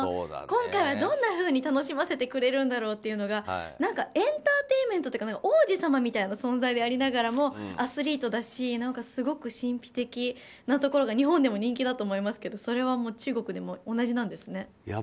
今回はどんなふうに楽しませてくれるんだろうっていうのがエンターテインメントというか王子様みたいな存在でありながらもアスリートだしすごく神秘的なところが日本でも人気だと思いますけどそれはもう中国でも同じなんですね。